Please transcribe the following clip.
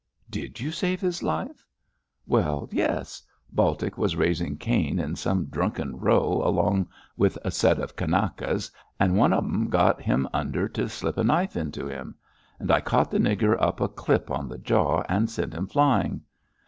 'Did you save his life?' 'Well, yes. Baltic was raising Cain in some drunken row along with a set of Kanakas, and one of 'em got him under to slip a knife into him. I caught the nigger a clip on the jaw and sent him flying.